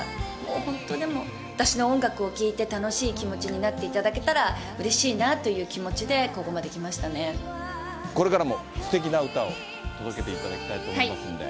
本当、でも、私の音楽を聴いて楽しい気持ちになっていただけたらうれしいなという気持ちで、これからも、すてきな歌を届けていただきたいと思いますんで。